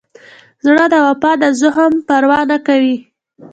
زړه د وفا د زخم پروا نه کوي.